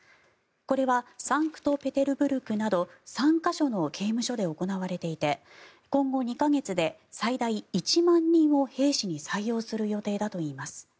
これはサンクトペテルブルクなど３か所の刑務所で行われていて今後２か月で最大１万人を兵士に採用する予定だといいます。